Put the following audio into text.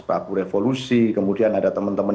pelaku revolusi kemudian ada teman teman